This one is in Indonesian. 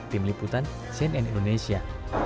tim liputan cnn indonesia